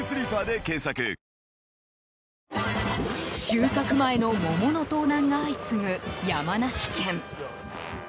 収穫前の桃の盗難が相次ぐ山梨県。